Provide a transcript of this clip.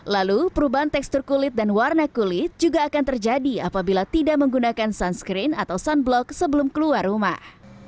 lalu perubahan tekstur kulit dan warna kulit juga akan terjadi apabila tidak menggunakan sunscreen atau sunblock sebelum keluar rumah